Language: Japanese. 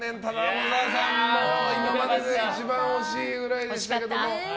小沢さん、今までで一番惜しいぐらいでしたけども。